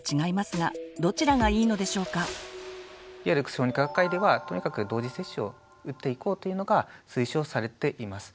小児科学会ではとにかく同時接種を打っていこうというのが推奨されています。